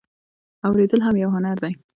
اوریدل هم یو هنر دی